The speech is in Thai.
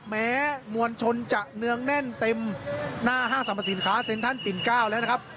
แม้มวลชนจะเนืองแน่นเต็มหน้าห้างสรรพสินค้าเซ็นทรัลปิ่น๙แล้วนะครับ